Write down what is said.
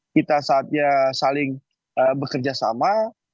kita saatnya saling bekerjasama